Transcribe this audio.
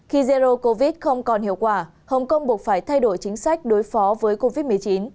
khi erdo covid không còn hiệu quả hồng kông buộc phải thay đổi chính sách đối phó với covid một mươi chín